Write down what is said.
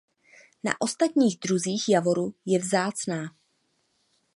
Na ostatních druzích javoru je vzácná.